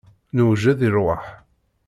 Newjed i rrwaḥ.